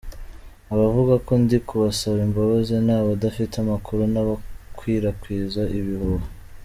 Abavuga ko ndi kumusaba imbabazi ni abadafite amakuru n’abakwirakwiza ibihuha.